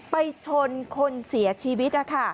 ไปชนคนเสียชีวิต